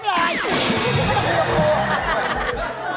ต้องปลูก